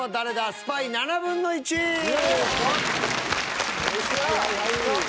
スパイ７分の１！よいしょ。